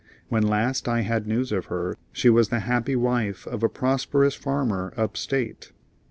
When last I had news of her, she was the happy wife of a prosperous farmer up State.